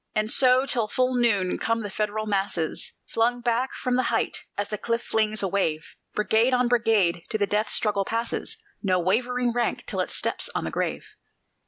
And so till full noon come the Federal masses Flung back from the height, as the cliff flings a wave; Brigade on brigade to the death struggle passes, No wavering rank till it steps on the grave.